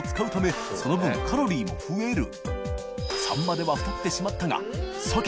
その分カロリーも増える稙輿